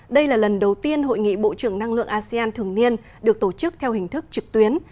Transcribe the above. đây là lần đầu tiên hội nghị bộ trưởng năng lượng asean thường niên được tổ chức theo hình thức trực tuyến